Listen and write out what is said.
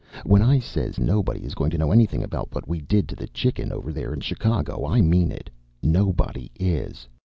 When I says nobody is goin' to know anything about what we did to the Chicken, over there in Chicago, I mean it. Nobody is.